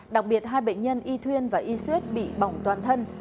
đặc biệt hai bệnh nhân y thuyên và y xuyết bị bỏng toàn thân